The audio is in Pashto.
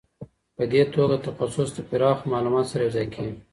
په دې توګه تخصص د پراخ معلوماتو سره یو ځای کیږي.